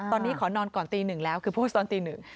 ตอนนี้ขอนอนก่อนตีหนึ่งแล้วคือพูดตอนตีหนึ่ง